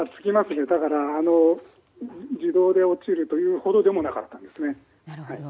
自動で落ちるということでもなかったですね。